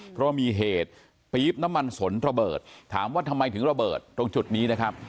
เพราะมีเหตุปี๊บน้ำมันสนระเบิดถามว่าทำไมถึงระเบิดตรงจุดนี้นะครับ